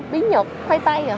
bí nhật khoai tây